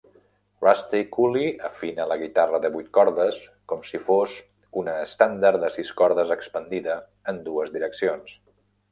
Rusty Cooley afina la guitarra de vuit cordes com si fos una estàndard de sis cordes expandida en dues direccions.